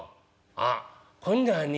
「あっ今度はね